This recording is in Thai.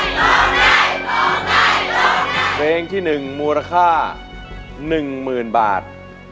เพลงที่๑มูลค่า๑๐๐๐บาท